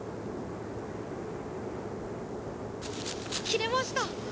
切れました！